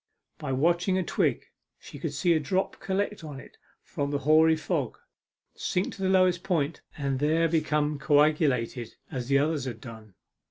By watching a twig she could see a drop collect upon it from the hoary fog, sink to the lowest point, and there become coagulated as the others had done.